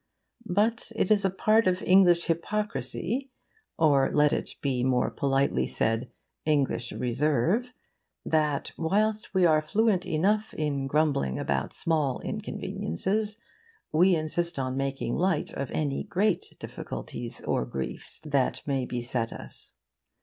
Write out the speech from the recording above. But it is a part of English hypocrisy or, let it be more politely said, English reserve that, whilst we are fluent enough in grumbling about small inconveniences, we insist on making light of any great difficulties or griefs that may beset us.